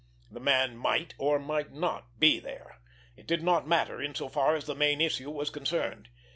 The man might, or might not, be there. It did not matter in so far as the main issue was concerned.